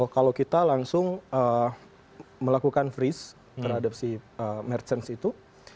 kalau kita langsung melakukan freeze terhadap si merchant itu